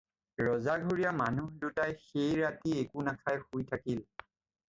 ৰজাঘৰীয়া মানুহ দুটাই সেই ৰাতি একো নাখাই শুই থাকিল।